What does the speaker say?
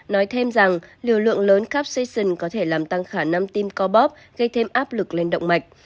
nói thêm rằng lưu lượng lớn capsaicin có thể làm tăng khả năm tim co bóp gây thêm áp lực lên động mạch